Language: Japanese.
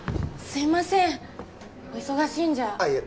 すいませんお忙しいんじゃいえ